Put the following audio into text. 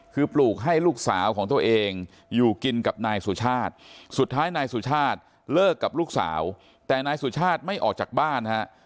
คือปลูกให้ลูกสาวของตัวเองอยู่กินกับนายสุชาติสุดท้ายนายสุชาติเลิกกับลูกสาวแต่นายสุชาติไม่ออกจากบ้านฮะ